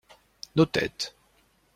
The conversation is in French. Nos têtes.